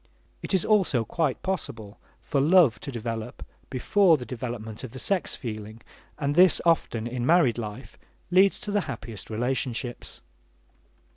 It is also quite possible for love to develop before the development of the sex feeling, and this often, in married life, leads to the happiest relationships.